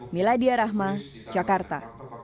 miladia rahma jakarta